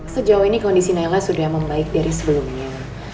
sejauh ini kondisi naila sudah membaik dari sebelumnya